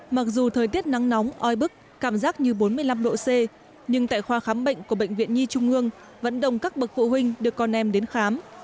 mặc dù thời tiết nắng nóng oi bức cảm giác như bốn mươi năm độ c nhưng tại khoa khám bệnh của bệnh viện nhi trung ương vẫn đồng các bậc phụ huynh được con em đến khám